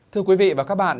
thưa quý vị và các bạn